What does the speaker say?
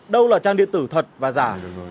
đâu là trang điện tử thật và giả